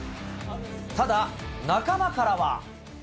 ただ、仲間からは。